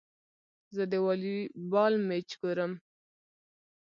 زه د والي بال مېچ ګورم.